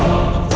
ada apaan sih